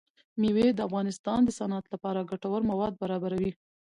مېوې د افغانستان د صنعت لپاره ګټور مواد برابروي.